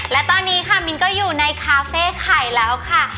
และตอนนี้ค่ะมิ้นก็อยู่ในคาเฟ่ไข่แล้วค่ะ